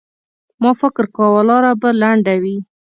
ما فکر کاوه لاره به لنډه وي.